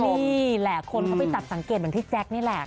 นี่แหละคนเขาไปจับสังเกตเหมือนพี่แจ๊คนี่แหละ